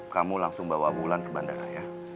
kamu langsung bawa bulan ke bandara ya